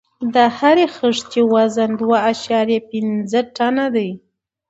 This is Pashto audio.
د هرې خښتې وزن دوه اعشاریه پنځه ټنه دی.